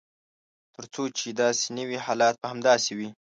تر څو چې داسې نه وي حالات به همداسې وي.